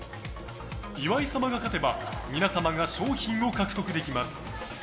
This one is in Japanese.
岩井様が勝てば皆様が賞品を獲得できます。